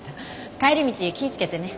帰り道気ぃ付けてね。